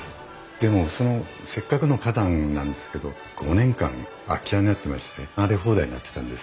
でもそのせっかくの花壇なんですけど５年間空き家になってまして荒れ放題になってたんです。